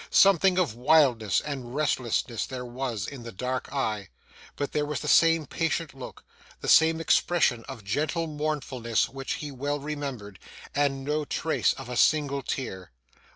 Something of wildness and restlessness there was in the dark eye, but there was the same patient look, the same expression of gentle mournfulness which he well remembered, and no trace of a single tear.